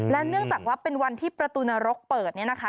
เนื่องจากว่าเป็นวันที่ประตูนรกเปิดเนี่ยนะคะ